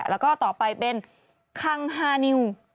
แล้วก็ต่อไปเป็นคังฮานิว